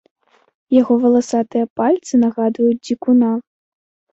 Яго валасатыя пальцы нагадваюць дзікуна.